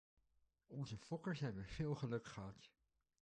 Onze fokkers hebben veel geluk gehad.